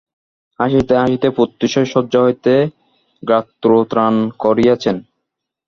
হাসিতে হাসিতে প্রত্যুষেই শয্যা হইতে গাত্রোত্থান করিয়াছেন।